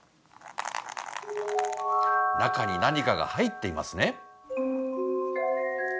中に何かが入っていますね。